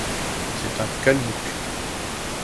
C'est un Kalmouk.